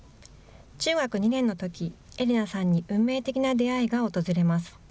中学２年のとき英理菜さんに運命的な出会いが訪れます。